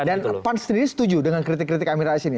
dan pans sendiri setuju dengan kritik kritik amin rais ini